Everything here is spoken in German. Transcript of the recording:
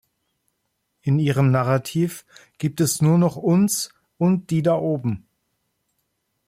In ihrem Narrativ gibt es nur noch uns und die da oben.